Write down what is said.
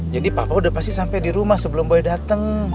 jadi papa udah pasti sampai di rumah sebelum boy dateng